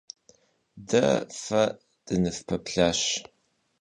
Дэ фэ дыныфпэплъащ.